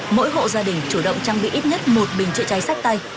mỗi hộ gia đình chủ động trang bị ít nhất một bình chữa cháy sách tay